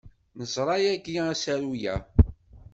Neẓra yagi asaru-a.